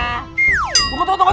tunggu tunggu tunggu tunggu